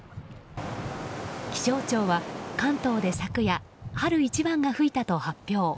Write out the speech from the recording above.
気象庁は関東で昨夜春一番が吹いたと発表。